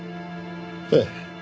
ええ。